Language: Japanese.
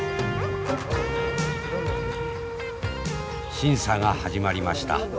審査が始まりました。